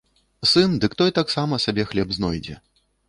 Сын, дык той таксама сабе хлеб знойдзе.